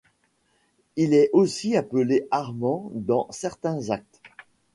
Il est aussi appelé Armand dans certains actes.